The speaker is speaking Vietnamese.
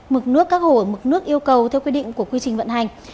mực nước các hồ ở mực nước yêu cầu theo quy định của quy trình vận hành